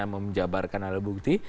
mem jabarkan alat bukti